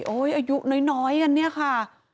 อายุน้อยกันเนี่ยค่ะ